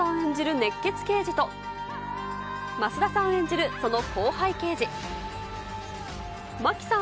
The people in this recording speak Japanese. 熱血刑事と、増田さん演じる、その後輩刑事、真木さん